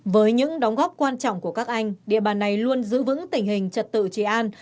với những đóng góp quan trọng của các anh địa bàn này luôn giữ vững tình hình trật tự trị an